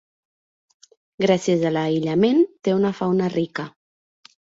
Gràcies a l'aïllament té una fauna rica.